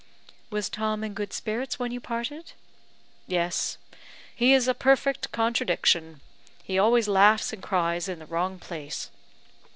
"Was Tom in good spirits when you parted?" "Yes. He is a perfect contradiction. He always laughs and cries in the wrong place.